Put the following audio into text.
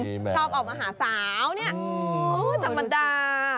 ชอบออกมาหาสาวเนี่ยโอ้ธรรมดา